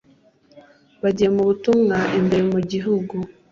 bagiye mu butumwa imbere mu Gihugu